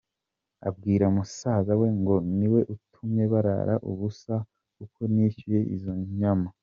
abwira musaza we ngo niwe utumye barara ubusa kuko nishyuye izo nyama.